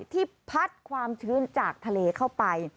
ที่พัดความชื้นจากทะเลเข้าไป